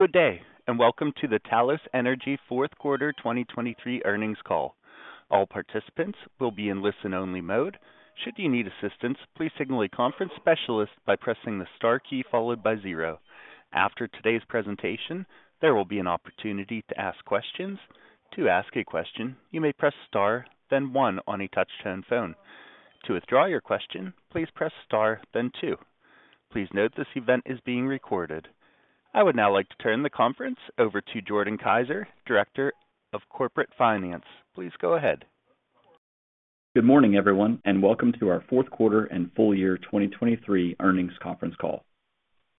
Good day and welcome to the Talos Energy Q4 2023 earnings call. All participants will be in listen-only mode. Should you need assistance, please signal a conference specialist by pressing the star key followed by zero. After today's presentation, there will be an opportunity to ask questions. To ask a question, you may press star, then one on a touch-tone phone. To withdraw your question, please press star, then two. Please note this event is being recorded. I would now like to turn the conference over to Jordan Kaiser, Director of Corporate Finance. Please go ahead. Good morning, everyone, and welcome to our Q4 and full year 2023 earnings conference call.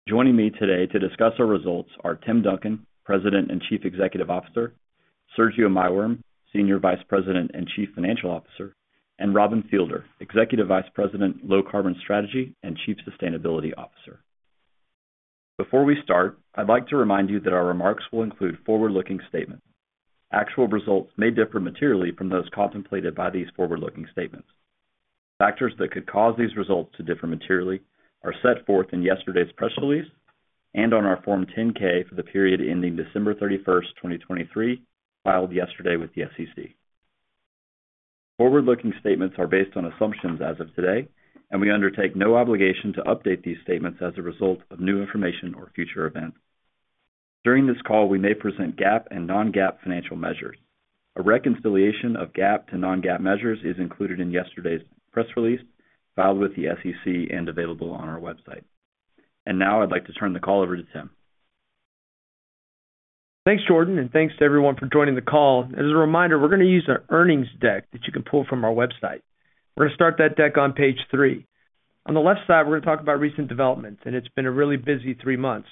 Joining me today to discuss our results are Timothy Duncan, President and Chief Executive Officer; Sergio Maiworm, Senior Vice President and Chief Financial Officer; and Robin Fielder, Executive Vice President, Low Carbon Strategy and Chief Sustainability Officer. Before we start, I'd like to remind you that our remarks will include forward-looking statements. Actual results may differ materially from those contemplated by these forward-looking statements. Factors that could cause these results to differ materially are set forth in yesterday's press release and on our Form 10-K for the period ending December 31, 2023, filed yesterday with the SEC. Forward-looking statements are based on assumptions as of today, and we undertake no obligation to update these statements as a result of new information or future events. During this call, we may present GAAP and non-GAAP financial measures. A reconciliation of GAAP to non-GAAP measures is included in yesterday's press release, filed with the SEC and available on our website. And now I'd like to turn the call over to Timothy. Thanks, Jordan, and thanks to everyone for joining the call. As a reminder, we're going to use an earnings deck that you can pull from our website. We're going to start that deck on page three. On the left side, we're going to talk about recent developments, and it's been a really busy three months.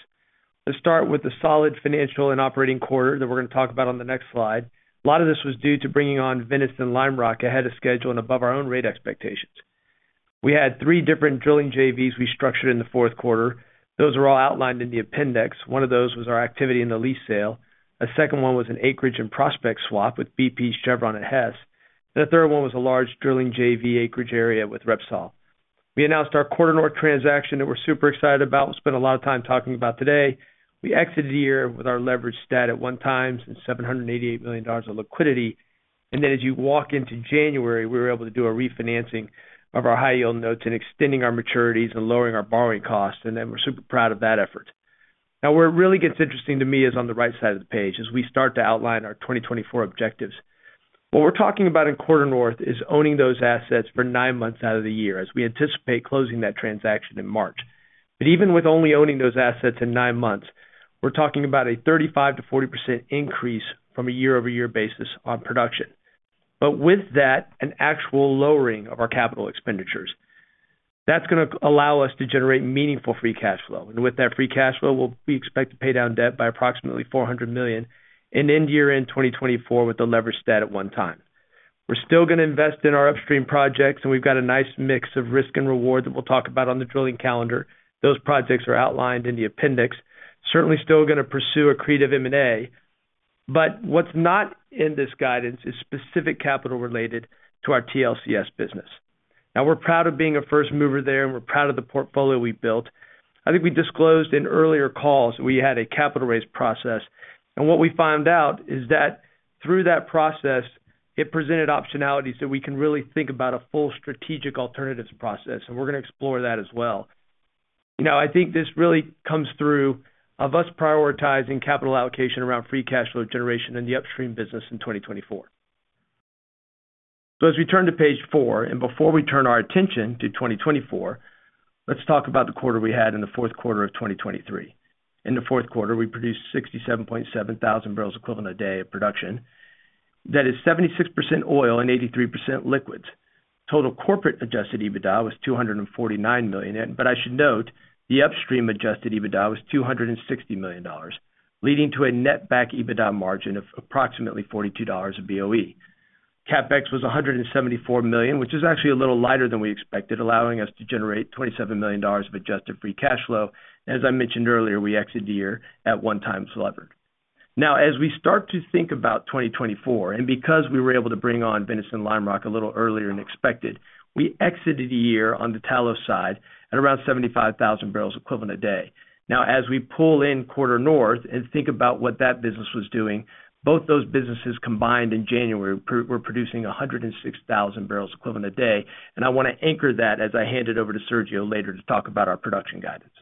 Let's start with the solid financial and operating quarter that we're going to talk about on the next slide. A lot of this was due to bringing on Venice and Lime Rock ahead of schedule and above our own rate expectations. We had three different drilling JVs we structured in the Q4. Those are all outlined in the appendix. One of those was our activity in the lease sale. A second one was an acreage and prospect swap with BP, Chevron, and Hess. A third one was a large drilling JV acreage area with Repsol. We announced our QuarterNorth transaction that we're super excited about, spent a lot of time talking about today. We exited the year with our leverage stat at 1x and $788 million of liquidity. Then as you walk into January, we were able to do a refinancing of our high-yield notes and extending our maturities and lowering our borrowing costs. And then we're super proud of that effort. Now, where it really gets interesting to me is on the right side of the page, as we start to outline our 2024 objectives. What we're talking about in QuarterNorth is owning those assets for nine months out of the year, as we anticipate closing that transaction in March. But even with only owning those assets in nine, we're talking about a 35%-40% increase from a year-over-year basis on production, but with that, an actual lowering of our capital expenditures. That's going to allow us to generate meaningful free cash flow. And with that free cash flow, we'll be expected to pay down debt by approximately $400 million and end year-end 2024 with the leverage stat at 1x. We're still going to invest in our upstream projects, and we've got a nice mix of risk and reward that we'll talk about on the drilling calendar. Those projects are outlined in the appendix. Certainly still going to pursue a creative M&A. But what's not in this guidance is specific capital related to our TLCS business. Now, we're proud of being a first mover there, and we're proud of the portfolio we built. I think we disclosed in earlier calls that we had a capital raise process. What we found out is that through that process, it presented optionalities that we can really think about a full strategic alternatives process. We're going to explore that as well. I think this really comes through of us prioritizing capital allocation around free cash flow generation in the upstream business in 2024. So as we turn to page four, and before we turn our attention to 2024, let's talk about the quarter we had in the fourth quarter of 2023. In the Q4, we produced 67.7,000 barrels equivalent a day of production. That is 76% oil and 83% liquids. Total corporate adjusted EBITDA was $249 million. But I should note, the upstream adjusted EBITDA was $260 million, leading to a net back EBITDA margin of approximately $42 of BOE. CapEx was $174 million, which is actually a little lighter than we expected, allowing us to generate $27 million of adjusted free cash flow. As I mentioned earlier, we exited the year at 1x levered. Now, as we start to think about 2024, and because we were able to bring on Venice and Limerock a little earlier than expected, we exited the year on the Talos side at around 75 MBoe/d. Now, as we pull in QuarterNorth and think about what that business was doing, both those businesses combined in January were producing 106 MBoe/d. And I want to anchor that as I hand it over to Sergio later to talk about our production guidance.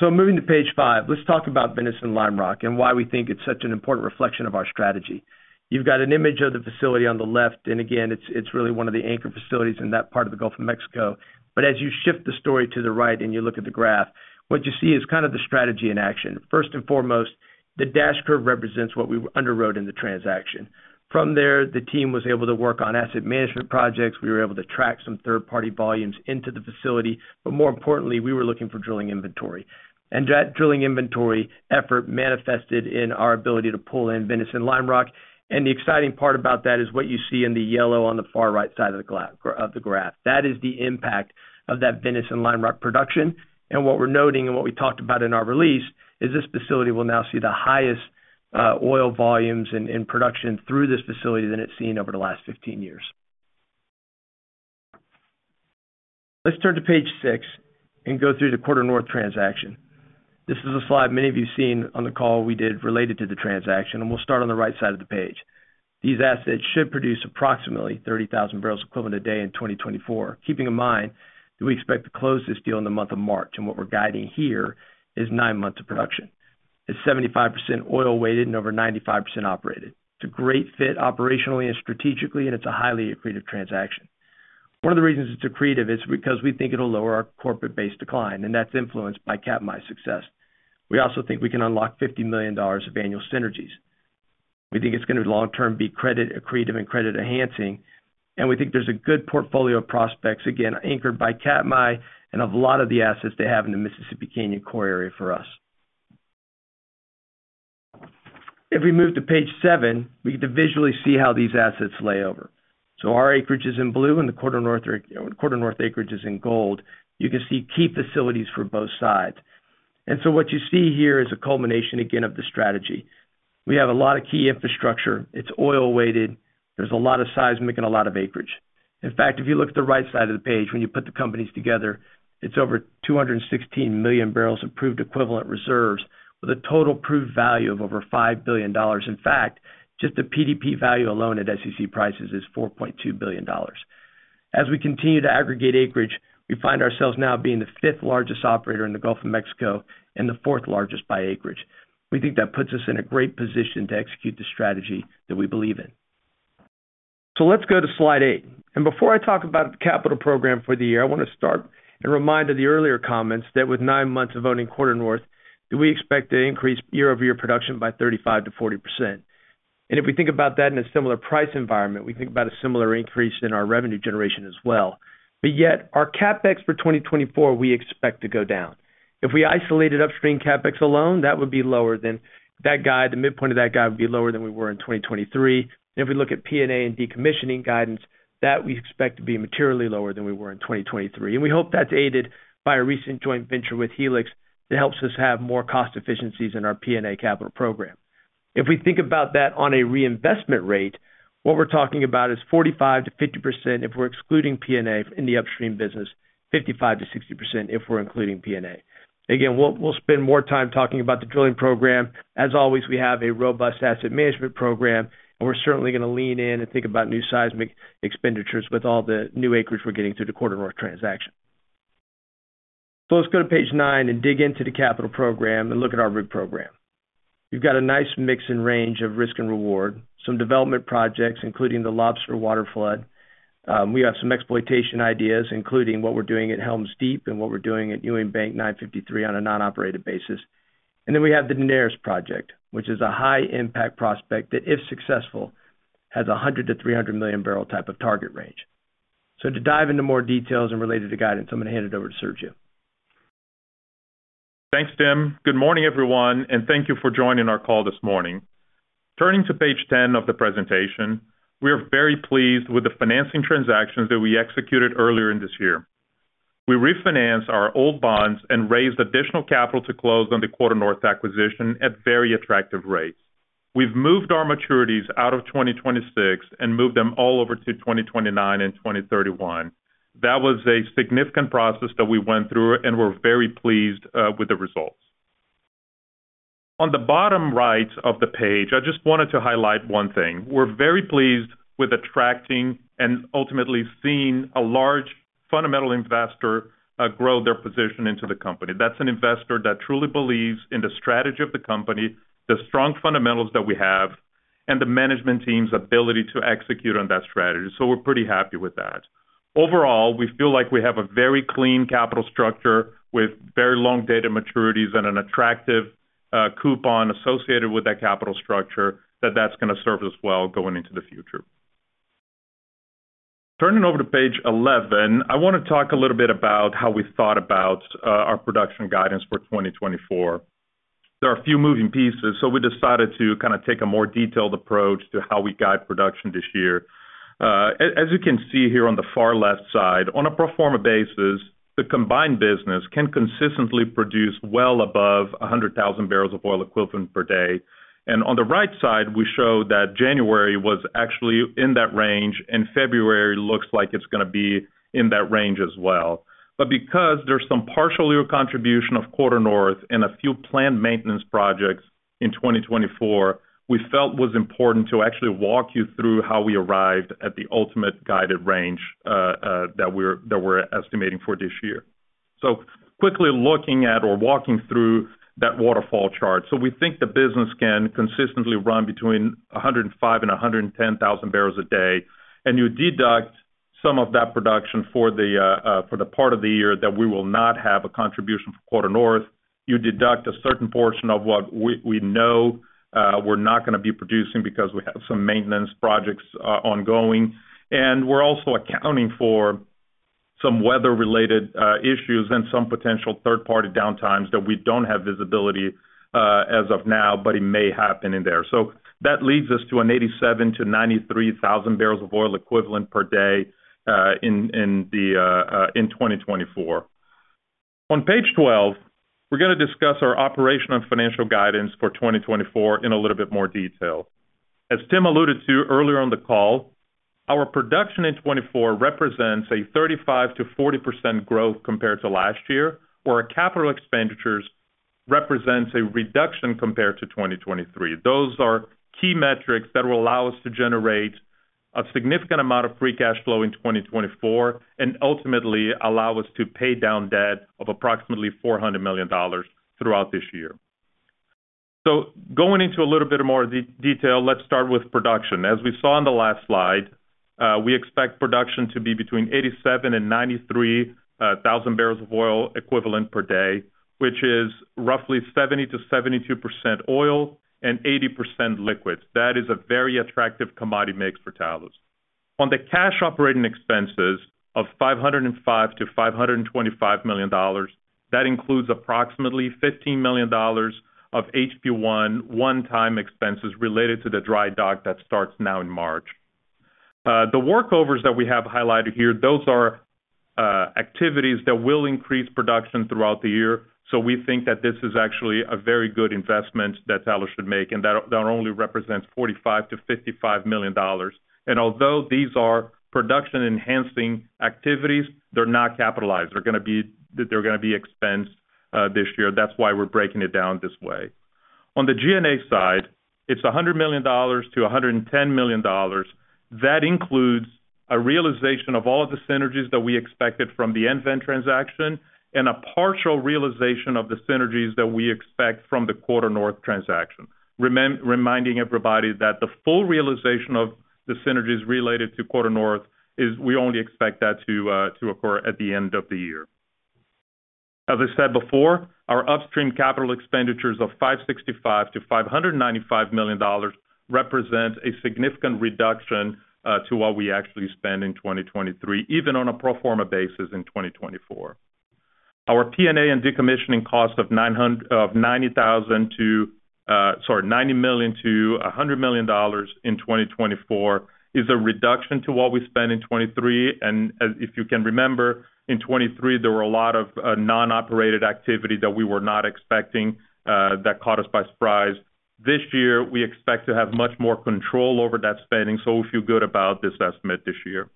So moving to page five, let's talk about Venice and Limerock and why we think it's such an important reflection of our strategy. You've got an image of the facility on the left. Again, it's really one of the anchor facilities in that part of the Gulf of Mexico. As you shift the story to the right and you look at the graph, what you see is kind of the strategy in action. First and foremost, the dash curve represents what we underwrote in the transaction. From there, the team was able to work on asset management projects. We were able to track some third-party volumes into the facility. More importantly, we were looking for drilling inventory. That drilling inventory effort manifested in our ability to pull in Venice and Limerock. The exciting part about that is what you see in the yellow on the far right side of the graph. That is the impact of that Venice and Limerock production. What we're noting and what we talked about in our release is this facility will now see the highest oil volumes in production through this facility than it's seen over the last 15 years. Let's turn to page six and go through the QuarterNorth transaction. This is a slide many of you've seen on the call we did related to the transaction. We'll start on the right side of the page. These assets should produce approximately 30,000 barrels equivalent a day in 2024, keeping in mind that we expect to close this deal in the month of March. What we're guiding here is nine months of production. It's 75% oil weighted and over 95% operated. It's a great fit operationally and strategically, and it's a highly accretive transaction. One of the reasons it's accretive is because we think it'll lower our corporate-based decline. That's influenced by Katmai's success. We also think we can unlock $50 million of annual synergies. We think it's going to long-term be credit accretive and credit enhancing. We think there's a good portfolio of prospects, again, anchored by Katmai and of a lot of the assets they have in the Mississippi Canyon core area for us. If we move to page, seven we get to visually see how these assets lay over. Our acreage is in blue, and the QuarterNorth acreage is in gold. You can see key facilities for both sides. What you see here is a culmination, again, of the strategy. We have a lot of key infrastructure. It's oil weighted. There's a lot of seismic and a lot of acreage. In fact, if you look at the right side of the page, when you put the companies together, it's over 216 million barrels of proved equivalent reserves with a total proved value of over $5 billion. In fact, just the PDP value alone at SEC prices is $4.2 billion. As we continue to aggregate acreage, we find ourselves now being the fifth largest operator in the Gulf of Mexico and the fourth largest by acreage. We think that puts us in a great position to execute the strategy that we believe in. So let's go to slide eight. And before I talk about the capital program for the year, I want to start and remind of the earlier comments that with 9 months of owning QuarterNorth, that we expect to increase year-over-year production by 35%-40%. And if we think about that in a similar price environment, we think about a similar increase in our revenue generation as well. But yet, our CapEx for 2024, we expect to go down. If we isolated upstream CapEx alone, that would be lower than that guide, the midpoint of that guide would be lower than we were in 2023. And if we look at P&A and decommissioning guidance, that we expect to be materially lower than we were in 2023. And we hope that's aided by a recent joint venture with Helix that helps us have more cost efficiencies in our P&A capital program. If we think about that on a reinvestment rate, what we're talking about is 45%-50% if we're excluding P&A in the upstream business, 55%-60% if we're including P&A. Again, we'll spend more time talking about the drilling program. As always, we have a robust asset management program, and we're certainly going to lean in and think about new seismic expenditures with all the new acreage we're getting through the QuarterNorth transaction. So let's go to page nine and dig into the capital program and look at our rig program. You've got a nice mix and range of risk and reward, some development projects, including the Lobster waterflood. We have some exploitation ideas, including what we're doing at Helms Deep and what we're doing at Ewing Bank 953 on a non-operated basis. And then we have the Daenerys project, which is a high-impact prospect that, if successful, has a 100-300 million barrel type of target range. So to dive into more details and related to guidance, I'm going to hand it over to Sergio. Thanks, Timothy. Good morning, everyone, and thank you for joining our call this morning. Turning to page 10 of the presentation, we are very pleased with the financing transactions that we executed earlier in this year. We refinanced our old bonds and raised additional capital to close on the QuarterNorth acquisition at very attractive rates. We've moved our maturities out of 2026 and moved them all over to 2029 and 2031. That was a significant process that we went through, and we're very pleased with the results. On the bottom right of the page, I just wanted to highlight one thing. We're very pleased with attracting and ultimately seeing a large fundamental investor grow their position into the company. That's an investor that truly believes in the strategy of the company, the strong fundamentals that we have, and the management team's ability to execute on that strategy. So we're pretty happy with that. Overall, we feel like we have a very clean capital structure with very long dated maturities and an attractive coupon associated with that capital structure that's going to serve us well going into the future. Turning over to page 11, I want to talk a little bit about how we thought about our production guidance for 2024. There are a few moving pieces, so we decided to kind of take a more detailed approach to how we guide production this year. As you can see here on the far left side, on a pro forma basis, the combined business can consistently produce well above 100,000 barrels of oil equivalent per day. On the right side, we show that January was actually in that range, and February looks like it's going to be in that range as well. But because there's some partial year contribution of QuarterNorth and a few planned maintenance projects in 2024, we felt it was important to actually walk you through how we arrived at the ultimate guided range that we're estimating for this year. So quickly looking at or walking through that waterfall chart. So we think the business can consistently run between 105,000-110,000 barrels a day. And you deduct some of that production for the part of the year that we will not have a contribution for QuarterNorth. You deduct a certain portion of what we know we're not going to be producing because we have some maintenance projects ongoing. And we're also accounting for some weather-related issues and some potential third-party downtimes that we don't have visibility as of now, but it may happen in there. So that leads us to an 87,000-93,000 barrels of oil equivalent per day in 2024. On page 12, we're going to discuss our operational and financial guidance for 2024 in a little bit more detail. As Timothy alluded to earlier on the call, our production in 2024 represents a 35%-40% growth compared to last year, where our capital expenditures represent a reduction compared to 2023. Those are key metrics that will allow us to generate a significant amount of free cash flow in 2024 and ultimately allow us to pay down debt of approximately $400 million throughout this year. So going into a little bit of more detail, let's start with production. As we saw on the last slide, we expect production to be between 87,000 and 93,000 barrels of oil equivalent per day, which is roughly 70%-72% oil and 80% liquids. That is a very attractive commodity mix for Talos. On the cash operating expenses of $505 million-$525 million, that includes approximately $15 million of HP-1 one-time expenses related to the dry dock that starts now in March. The workovers that we have highlighted here, those are activities that will increase production throughout the year. So we think that this is actually a very good investment that Talos should make, and that only represents $45 million-$55 million. And although these are production-enhancing activities, they're not capitalized. They're going to be expensed this year. That's why we're breaking it down this way. On the G&A side, it's $100 million-$110 million. That includes a realization of all of the synergies that we expected from the EnVen transaction and a partial realization of the synergies that we expect from the QuarterNorth transaction, reminding everybody that the full realization of the synergies related to QuarterNorth is we only expect that to occur at the end of the year. As I said before, our upstream capital expenditures of $565-$595 million represent a significant reduction to what we actually spend in 2023, even on a pro forma basis in 2024. Our P&A and decommissioning cost of $90-$100 million in 2024 is a reduction to what we spend in 2023. If you can remember, in 2023, there were a lot of non-operated activity that we were not expecting that caught us by surprise. This year, we expect to have much more control over that spending, so we feel good about this estimate this year.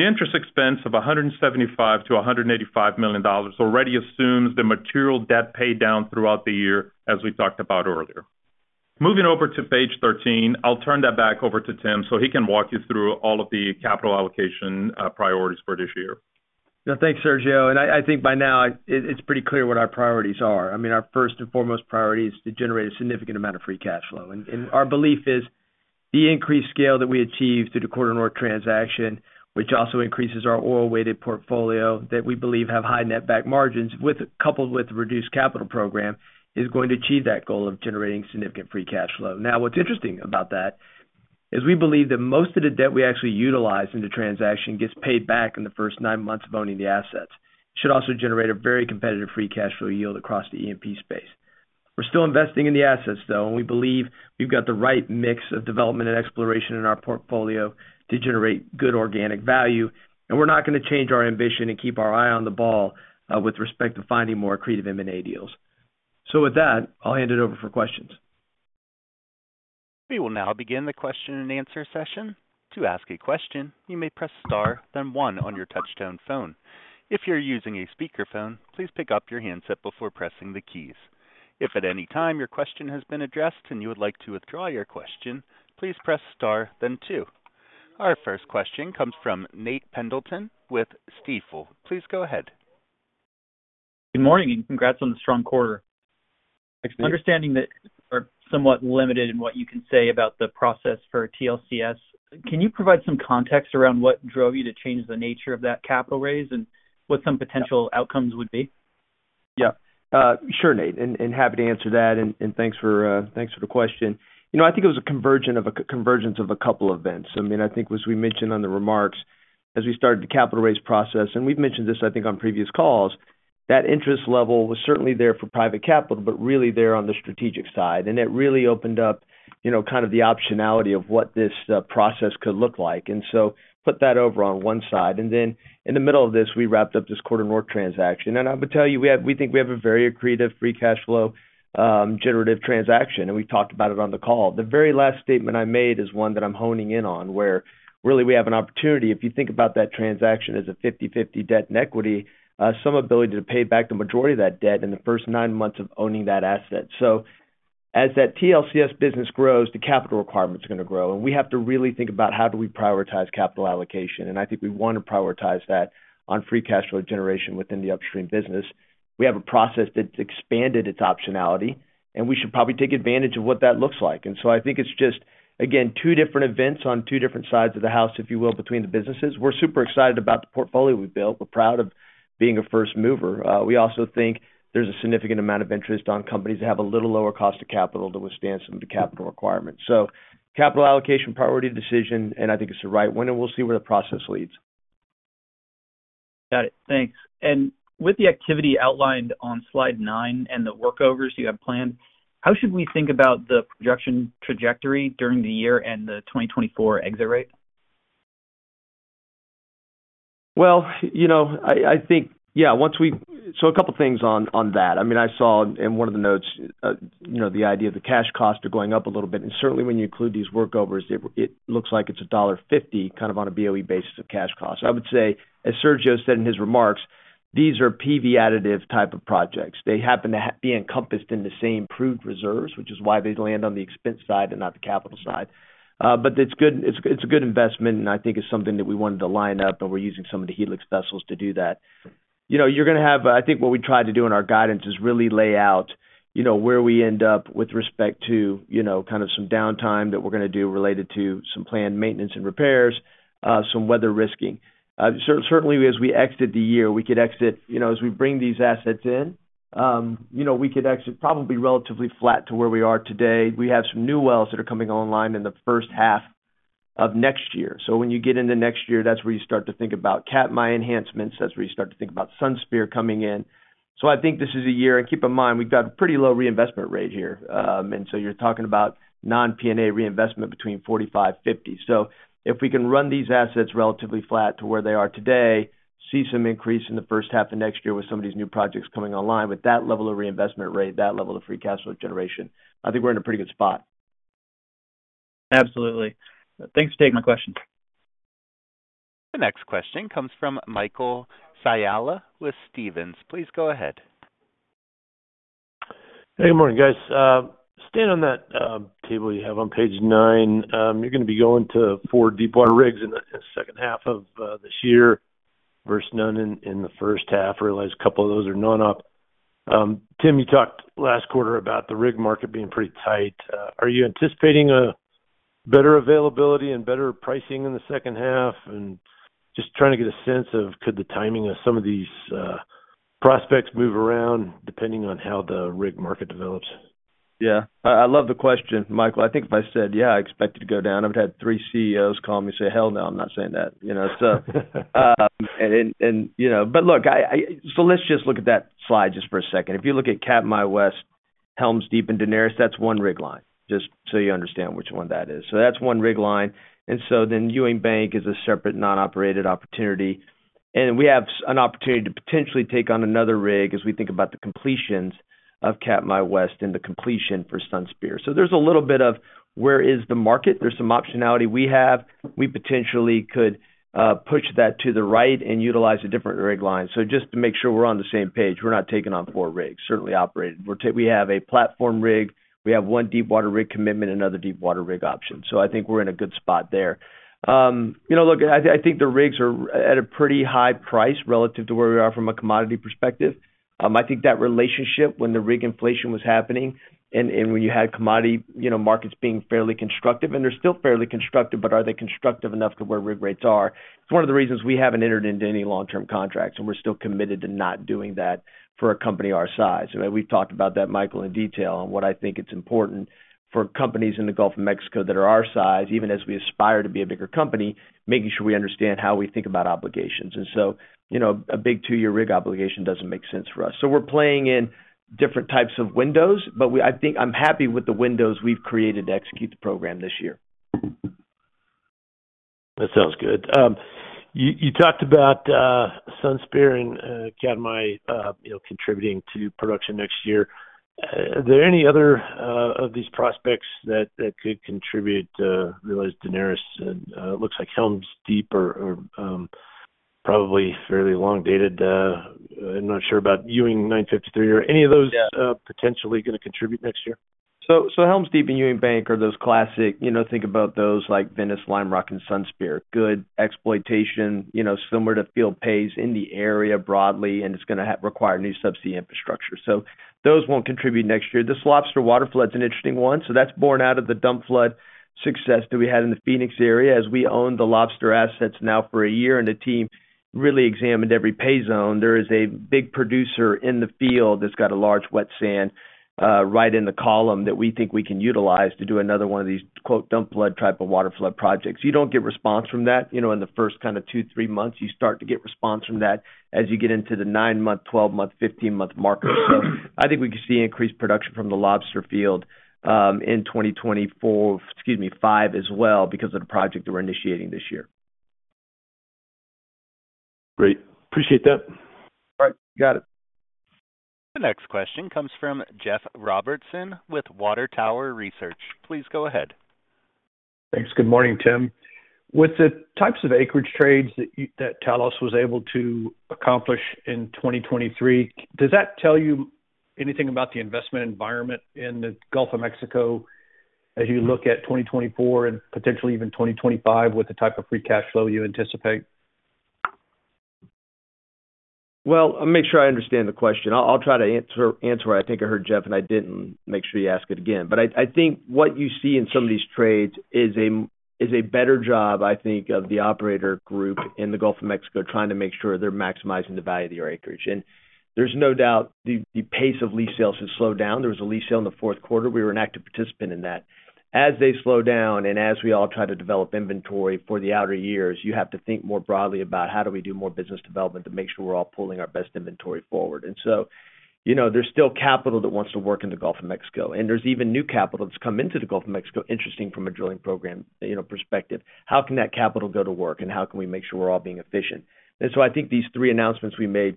The interest expense of $175-$185 million already assumes the material debt paydown throughout the year, as we talked about earlier. Moving over to page 13, I'll turn that back over to Timothy so he can walk you through all of the capital allocation priorities for this year. Yeah, thanks, Sergio. And I think by now, it's pretty clear what our priorities are. I mean, our first and foremost priority is to generate a significant amount of free cash flow. And our belief is the increased scale that we achieve through the QuarterNorth transaction, which also increases our oil-weighted portfolio that we believe have high net-back margins coupled with the reduced capital program, is going to achieve that goal of generating significant free cash flow. Now, what's interesting about that is we believe that most of the debt we actually utilize in the transaction gets paid back in the first nine months of owning the assets. It should also generate a very competitive free cash flow yield across the E&P space. We're still investing in the assets, though, and we believe we've got the right mix of development and exploration in our portfolio to generate good organic value. We're not going to change our ambition and keep our eye on the ball with respect to finding more accretive M&A deals. With that, I'll hand it over for questions. We will now begin the question-and-answer session. To ask a question, you may press star, then one on your touch-tone phone. If you're using a speakerphone, please pick up your handset before pressing the keys. If at any time your question has been addressed and you would like to withdraw your question, please press star, then two. Our first question comes from Nate Pendleton with Stifel. Please go ahead. Good morning and congrats on the strong quarter. Understanding that you are somewhat limited in what you can say about the process for TLCS, can you provide some context around what drove you to change the nature of that capital raise and what some potential outcomes would be? Yeah. Sure, Nate. And happy to answer that, and thanks for the question. I think it was a convergence of a couple of events. I mean, I think, as we mentioned on the remarks, as we started the capital raise process, and we've mentioned this, I think, on previous calls, that interest level was certainly there for private capital, but really there on the strategic side. And it really opened up kind of the optionality of what this process could look like. And so put that over on one side. And then in the middle of this, we wrapped up this QuarterNorth transaction. And I would tell you, we think we have a very accretive free cash flow generative transaction, and we've talked about it on the call. The very last statement I made is one that I'm honing in on, where really we have an opportunity, if you think about that transaction as a 50/50 debt and equity, some ability to pay back the majority of that debt in the first nine months of owning that asset. So as that TLCS business grows, the capital requirement's going to grow. And we have to really think about how do we prioritize capital allocation. And I think we want to prioritize that on free cash flow generation within the upstream business. We have a process that's expanded its optionality, and we should probably take advantage of what that looks like. And so I think it's just, again, two different events on two different sides of the house, if you will, between the businesses. We're super excited about the portfolio we've built. We're proud of being a first mover. We also think there's a significant amount of interest on companies that have a little lower cost of capital to withstand some of the capital requirements. So capital allocation priority decision, and I think it's the right one, and we'll see where the process leads. Got it. Thanks. With the activity outlined on slide 9 and the workovers you have planned, how should we think about the production trajectory during the year and the 2024 exit rate? Well, I think, yeah, once we go over a couple of things on that. I mean, I saw in one of the notes the idea of the cash costs are going up a little bit. And certainly, when you include these workovers, it looks like it's $1.50 kind of on a BOE basis of cash costs. I would say, as Sergio said in his remarks, these are PV additive type of projects. They happen to be encompassed in the same approved reserves, which is why they land on the expense side and not the capital side. But it's a good investment, and I think it's something that we wanted to line up, and we're using some of the Helix vessels to do that. You're going to have. I think what we tried to do in our guidance is really lay out where we end up with respect to kind of some downtime that we're going to do related to some planned maintenance and repairs, some weather risking. Certainly, as we exited the year, we could exit as we bring these assets in, we could exit probably relatively flat to where we are today. We have some new wells that are coming online in the first half of next year. So when you get into next year, that's where you start to think about Katmai enhancements. That's where you start to think about Sunspear coming in. So I think this is a year, and keep in mind, we've got a pretty low reinvestment rate here. And so you're talking about non-P&A reinvestment between 45-50. So if we can run these assets relatively flat to where they are today, see some increase in the first half of next year with some of these new projects coming online with that level of reinvestment rate, that level of free cash flow generation, I think we're in a pretty good spot. Absolutely. Thanks for taking my question. The next question comes from Michael Scialla with Stephens. Please go ahead. Hey, good morning, guys. Stand on that table you have on page 9. You're going to be going to 4 deepwater rigs in the second half of this year versus none in the first half. I realize a couple of those are none-up. Timothy, you talked last quarter about the rig market being pretty tight. Are you anticipating better availability and better pricing in the second half? And just trying to get a sense of could the timing of some of these prospects move around depending on how the rig market develops? Yeah. I love the question, Michael. I think if I said, "Yeah, I expect it to go down," I would have had three CEOs call me and say, "Hell no, I'm not saying that." And but look, so let's just look at that slide just for a second. If you look at Katmai West, Helms Deep, and Daenerys, that's one rig line, just so you understand which one that is. So that's one rig line. And so then Ewing Bank is a separate non-operated opportunity. And we have an opportunity to potentially take on another rig as we think about the completions of Katmai West and the completion for Sunspear. So there's a little bit of where is the market? There's some optionality we have. We potentially could push that to the right and utilize a different rig line. So just to make sure we're on the same page, we're not taking on four rigs, certainly operated. We have a platform rig. We have one deepwater rig commitment, another deepwater rig option. So I think we're in a good spot there. Look, I think the rigs are at a pretty high price relative to where we are from a commodity perspective. I think that relationship when the rig inflation was happening and when you had commodity markets being fairly constructive and they're still fairly constructive, but are they constructive enough to where rig rates are? It's one of the reasons we haven't entered into any long-term contracts, and we're still committed to not doing that for a company our size. We've talked about that, Michael, in detail and what I think it's important for companies in the Gulf of Mexico that are our size, even as we aspire to be a bigger company, making sure we understand how we think about obligations. So a big two-year rig obligation doesn't make sense for us. We're playing in different types of windows, but I think I'm happy with the windows we've created to execute the program this year. That sounds good. You talked about Sunspear and Katmai contributing to production next year. Are there any other of these prospects that could contribute? I realize Daenerys and it looks like Helms Deep are probably fairly elongated. I'm not sure about Ewing 953. Are any of those potentially going to contribute next year? So Helms Deep and Ewing Bank are those classic. Think about those like Venice, Limerock, and Sunspear. Good exploitation, similar to field pays in the area broadly, and it's going to require new subsea infrastructure. So those won't contribute next year. The Lobster waterflood's an interesting one. So that's born out of the dump flood success that we had in the Phoenix area. As we own the Lobster assets now for a year and the team really examined every pay zone, there is a big producer in the field that's got a large wet sand right in the column that we think we can utilize to do another one of these "dump flood" type of waterflood projects. You don't get response from that in the first kind of two, three months. You start to get response from that as you get into the 9-month, 12-month, 15-month markers. I think we could see increased production from the Lobster field in 2024, excuse me, 2025 as well because of the project that we're initiating this year. Great. Appreciate that. All right. Got it. The next question comes from Jeffrey Robertson with Water Tower Research. Please go ahead. Thanks. Good morning, Timothy. With the types of acreage trades that Talos was able to accomplish in 2023, does that tell you anything about the investment environment in the Gulf of Mexico as you look at 2024 and potentially even 2025 with the type of free cash flow you anticipate? Well, I'll make sure I understand the question. I'll try to answer what I think I heard Jeff, and I didn't make sure you ask it again. But I think what you see in some of these trades is a better job, I think, of the operator group in the Gulf of Mexico trying to make sure they're maximizing the value of their acreage. And there's no doubt the pace of lease sales has slowed down. There was a lease sale in the fourth quarter. We were an active participant in that. As they slow down and as we all try to develop inventory for the outer years, you have to think more broadly about how do we do more business development to make sure we're all pulling our best inventory forward. And so there's still capital that wants to work in the Gulf of Mexico. There's even new capital that's come into the Gulf of Mexico, interesting from a drilling program perspective. How can that capital go to work, and how can we make sure we're all being efficient? So I think these three announcements we made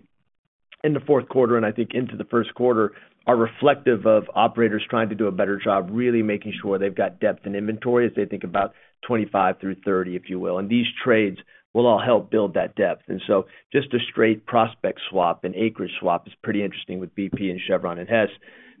in the fourth quarter and I think into the first quarter are reflective of operators trying to do a better job, really making sure they've got depth and inventory as they think about 2025 through 2030, if you will. These trades will all help build that depth. So just a straight prospect swap and acreage swap is pretty interesting with BP and Chevron and Hess.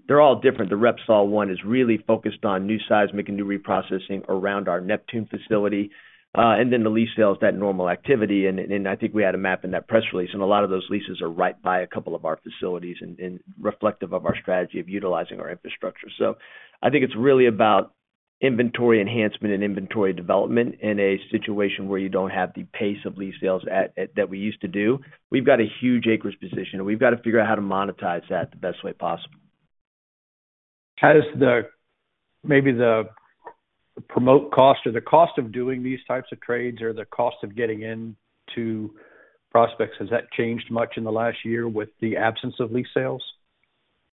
They're all different. The Repsol one is really focused on new seismic and new reprocessing around our Neptune facility. Then the lease sales, that normal activity. I think we had a map in that press release. And a lot of those leases are right by a couple of our facilities and reflective of our strategy of utilizing our infrastructure. So I think it's really about inventory enhancement and inventory development in a situation where you don't have the pace of lease sales that we used to do. We've got a huge acreage position, and we've got to figure out how to monetize that the best way possible. Has maybe the promote cost or the cost of doing these types of trades or the cost of getting into prospects, has that changed much in the last year with the absence of lease sales?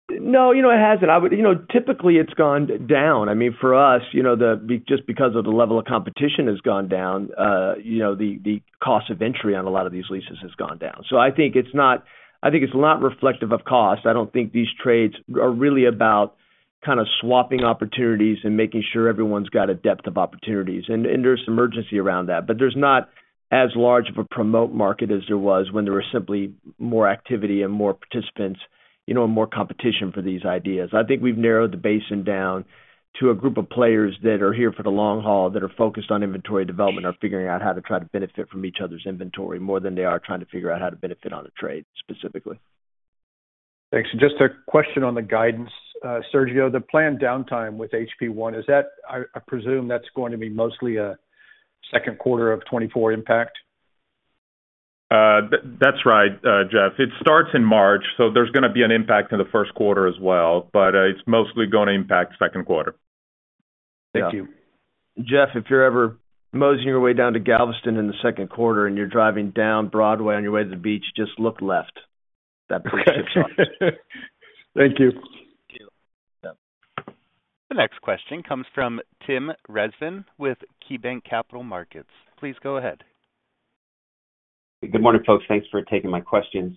No, it hasn't. Typically, it's gone down. I mean, for us, just because of the level of competition has gone down, the cost of entry on a lot of these leases has gone down. So I think it's not reflective of cost. I don't think these trades are really about kind of swapping opportunities and making sure everyone's got a depth of opportunities. And there's some urgency around that, but there's not as large of a promote market as there was when there was simply more activity and more participants and more competition for these ideas. I think we've narrowed the basin down to a group of players that are here for the long haul that are focused on inventory development are figuring out how to try to benefit from each other's inventory more than they are trying to figure out how to benefit on a trade specifically. Thanks. Just a question on the guidance, Sergio. The planned downtime with HP-1, I presume that's going to be mostly a second quarter of 2024 impact? That's right, Jeffrey. It starts in March, so there's going to be an impact in the first quarter as well, but it's mostly going to impact second quarter. Thank you. Jeffrey, if you're ever moseying your way down to Galveston in the second quarter and you're driving down Broadway on your way to the beach, just look left. That bridge ships off. Thank you. The next question comes from Tim Rezvan with KeyBanc Capital Markets. Please go ahead. Good morning, folks. Thanks for taking my questions.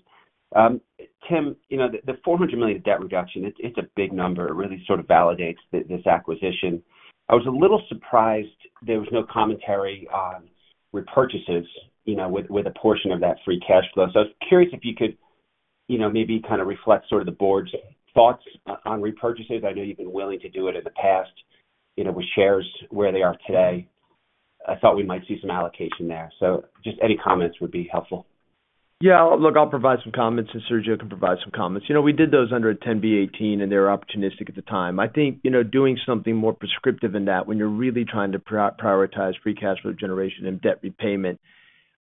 Timothy, the $400 million debt reduction, it's a big number. It really sort of validates this acquisition. I was a little surprised there was no commentary on repurchases with a portion of that free cash flow. So I was curious if you could maybe kind of reflect sort of the board's thoughts on repurchases. I know you've been willing to do it in the past with shares where they are today. I thought we might see some allocation there. Just any comments would be helpful. Yeah. Look, I'll provide some comments, and Sergio can provide some comments. We did those under a 10b-18, and they were opportunistic at the time. I think doing something more prescriptive in that when you're really trying to prioritize free cash flow generation and debt repayment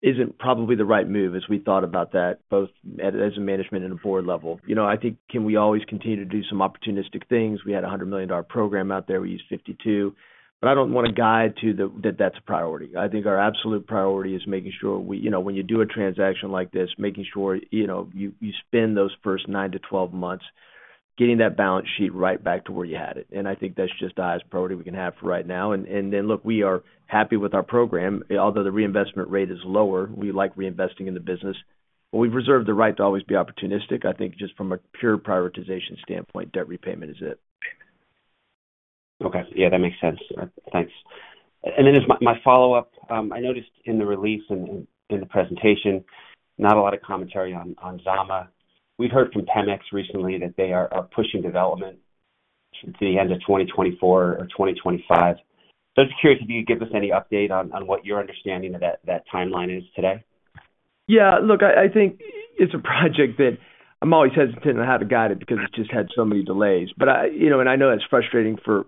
isn't probably the right move as we thought about that both as a management and a board level. I think, "Timothy, we always continue to do some opportunistic things. We had a $100 million program out there. We used $52 million." But I don't want to guide to that that's a priority. I think our absolute priority is making sure when you do a transaction like this, making sure you spend those first 9-12 months getting that balance sheet right back to where you had it. And I think that's just the highest priority we can have for right now. And then, look, we are happy with our program. Although the reinvestment rate is lower, we like reinvesting in the business. But we've reserved the right to always be opportunistic. I think just from a pure prioritization standpoint, debt repayment is it. Okay. Yeah, that makes sense. Thanks. And then as my follow-up, I noticed in the release and in the presentation, not a lot of commentary on Zama. We've heard from Pemex recently that they are pushing development to the end of 2024 or 2025. So I was curious if you could give us any update on what your understanding of that timeline is today? Yeah. Look, I think it's a project that I'm always hesitant on how to guide it because it's just had so many delays. And I know it's frustrating for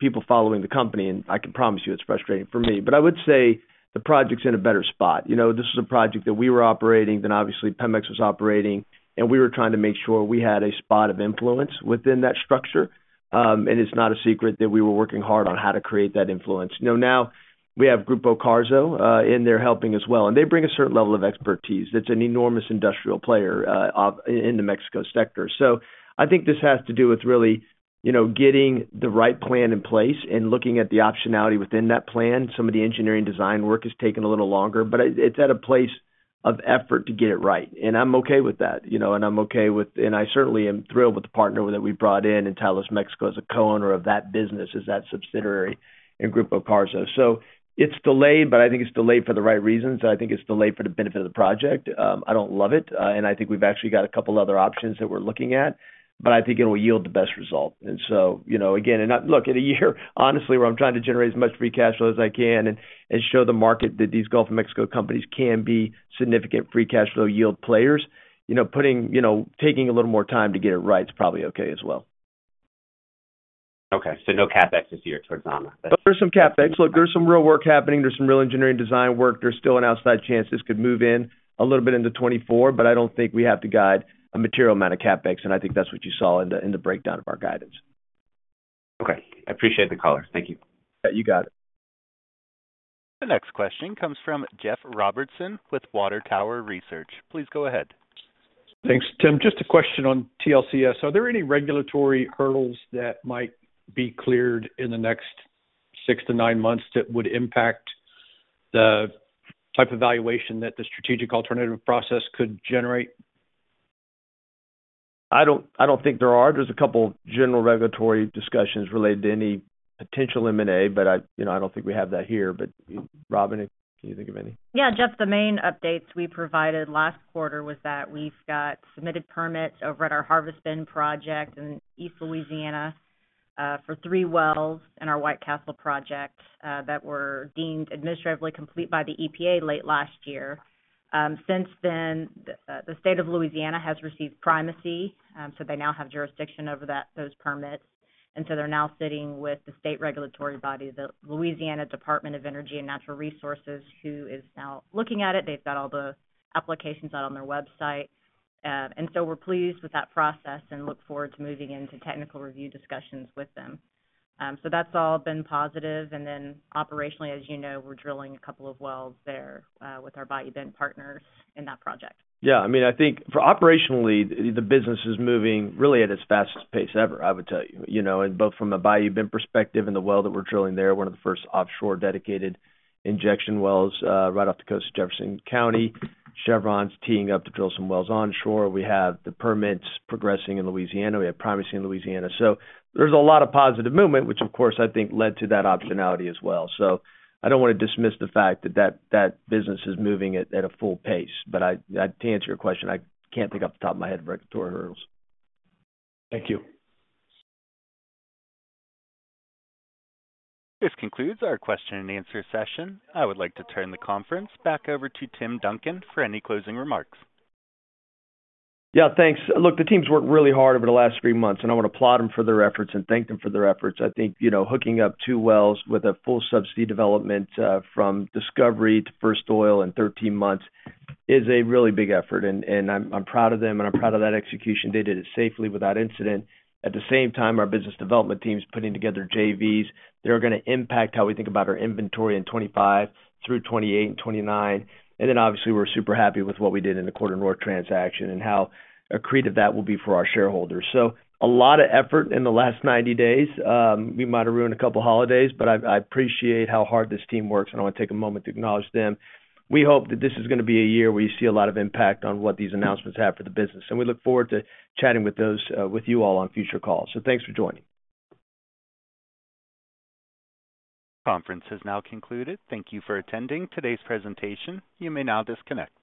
people following the company, and I can promise you it's frustrating for me. But I would say the project's in a better spot. This was a project that we were operating, rather than, obviously, Pemex was operating. And we were trying to make sure we had a spot of influence within that structure. And it's not a secret that we were working hard on how to create that influence. Now, we have Grupo Carso, and they're helping as well. And they bring a certain level of expertise. That's an enormous industrial player in the Mexican sector. So I think this has to do with really getting the right plan in place and looking at the optionality within that plan. Some of the engineering design work has taken a little longer, but it's at a place of effort to get it right. I'm okay with that. I'm okay with, and I certainly am thrilled with the partner that we brought in in Talos Mexico as a co-owner of that business as that subsidiary in Grupo Carso. So it's delayed, but I think it's delayed for the right reasons. I think it's delayed for the benefit of the project. I don't love it. I think we've actually got a couple of other options that we're looking at, but I think it'll yield the best result. And so again, and look, in a year, honestly, where I'm trying to generate as much free cash flow as I can and show the market that these Gulf of Mexico companies can be significant free cash flow yield players, taking a little more time to get it right is probably okay as well. Okay. No CapEx this year towards Zama. There's some CapEx. Look, there's some real work happening. There's some real engineering design work. There's still an outside chance this could move in a little bit into 2024, but I don't think we have to guide a material amount of CapEx. And I think that's what you saw in the breakdown of our guidance. Okay. I appreciate the color. Thank you. Yeah, you got it. The next question comes from Jeffrey Robertson with Water Tower Research. Please go ahead. Thanks, Tim. Just a question on TLCS. Are there any regulatory hurdles that might be cleared in the next six to nine months that would impact the type of valuation that the strategic alternative process could generate? I don't think there are. There's a couple of general regulatory discussions related to any potential M&A, but I don't think we have that here. But Robin, can you think of any? Yeah, Jeffrey, the main updates we provided last quarter was that we've got submitted permits over at our Harvest Bend project in East Louisiana for three wells in our White Castle project that were deemed administratively complete by the EPA late last year. Since then, the state of Louisiana has received primacy, so they now have jurisdiction over those permits. And so they're now sitting with the state regulatory body, the Louisiana Department of Energy and Natural Resources, who is now looking at it. They've got all the applications out on their website. And so we're pleased with that process and look forward to moving into technical review discussions with them. So that's all been positive. And then operationally, as you know, we're drilling a couple of wells there with our Bayou Bend partners in that project. Yeah. I mean, I think for operationally, the business is moving really at its fastest pace ever, I would tell you. And both from a Bayou Bend perspective and the well that we're drilling there, one of the first offshore dedicated injection wells right off the coast of Jefferson County, Chevron's teeing up to drill some wells onshore. We have the permits progressing in Louisiana. We have primacy in Louisiana. So there's a lot of positive movement, which, of course, I think led to that optionality as well. So I don't want to dismiss the fact that that business is moving at a full pace. But to answer your question, I can't think off the top of my head of regulatory hurdles. Thank you. This concludes our question and answer session. I would like to turn the conference back over to Timothy Duncan for any closing remarks. Yeah, thanks. Look, the team's worked really hard over the last 3 months, and I want to applaud them for their efforts and thank them for their efforts. I think hooking up two wells with a full subsea development from Discovery to First Oil in 13 months is a really big effort. And I'm proud of them, and I'm proud of that execution. They did it safely without incident. At the same time, our business development team's putting together JVs. They're going to impact how we think about our inventory in 2025 through 2028 and 2029. And then, obviously, we're super happy with what we did in the transaction and how accretive that will be for our shareholders. So a lot of effort in the last 90 days. We might have ruined a couple of holidays, but I appreciate how hard this team works, and I want to take a moment to acknowledge them. We hope that this is going to be a year where you see a lot of impact on what these announcements have for the business. We look forward to chatting with you all on future calls. Thanks for joining. Conference has now concluded. Thank you for attending today's presentation. You may now disconnect.